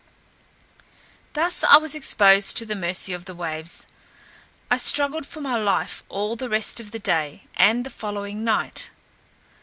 Thus was I exposed to the mercy of the waves. I struggled for my life all the rest of the day and the following night.